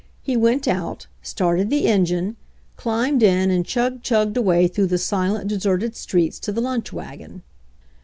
He went out, started the engine, climbed in and chug chugged away through the silent, deserted streets to the lunch wagon.